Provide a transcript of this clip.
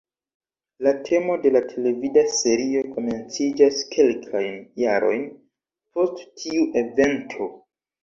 La temo de la televida serio komenciĝas kelkajn jarojn post tiu evento.